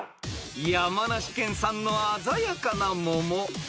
［山梨県産の鮮やかなモモ］